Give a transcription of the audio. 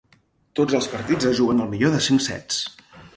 Tots els partits es juguen al millor de cinc sets.